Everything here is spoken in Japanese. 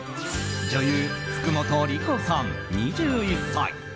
女優・福本莉子さん、２１歳。